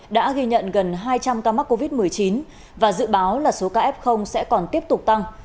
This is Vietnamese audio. đã ghi nhận gần hai trăm linh ca mắc covid một mươi chín và dự báo là số ca f sẽ còn tiếp tục tăng